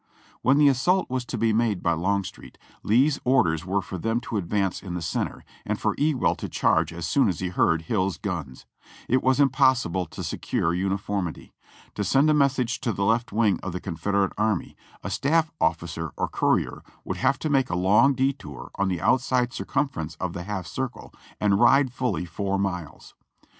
When the assault was to be made by Longstreet, Lee's order. \\ere for them to advance in the center, and for Ewell to charge as soon as he heard Hill's guns. It was impossible to secure uniformity. To send a message to the left wing of the Confed erate army a staff officer or courier would have to make a long detour on the outside circumference of the half circle and ride fully four miles.